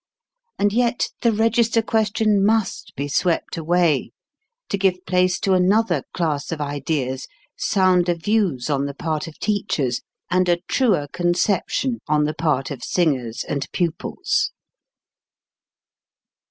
And yet, the register question must be swept away, to give place to another class of ideas, sounder views on the part of teachers, and a truer conception on the part of singers and pupils.